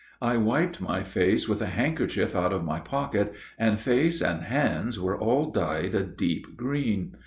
I wiped my face with a handkerchief out of my pocket, and face and hands were all dyed a deep green.